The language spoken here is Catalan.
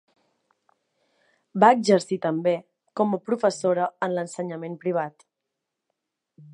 Va exercir també com a professora en l'ensenyament privat.